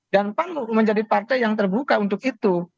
dan pan menjadi partai yang terbuka untuk itu